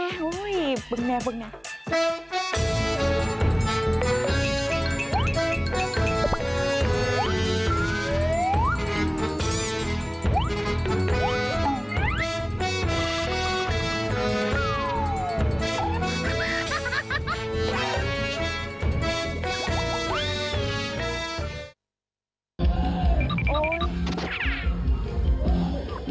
เบิ่งแม่เบิ่งแม่